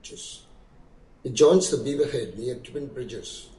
It joins the Beaverhead near Twin Bridges.